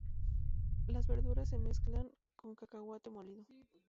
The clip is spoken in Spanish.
Las verduras se mezclan con cacahuete molido.